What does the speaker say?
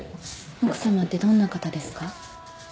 奥さまってどんな方ですか？